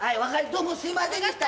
どうもすいませんでした。